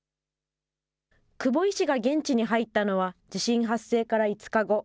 久保医師が現地に入ったのは、地震発生から５日後。